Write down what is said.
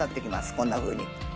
こんなふうに。